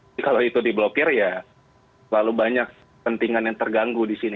jadi kalau itu diblokir ya terlalu banyak pentingan yang terganggu di sini